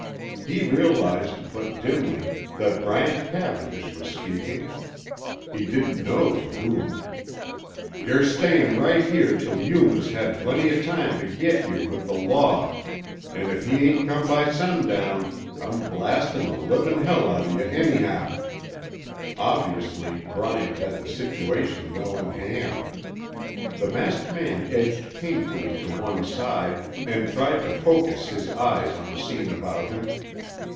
He realized, but dimly, that Bryant Cavendish was speaking. He didn't know to whom. "Yer stayin' right here till Yuma's had aplenty o' time tuh git here with the law an' if he ain't come by sundown I'm blastin' the livin' hell out of yuh anyhow!" Obviously Bryant had the situation well in hand. The masked man edged painfully to one side and tried to focus his eyes on the scene about him.